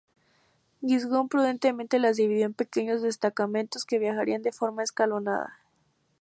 Giscón prudentemente las dividió en pequeños destacamentos que viajarían de forma escalonada.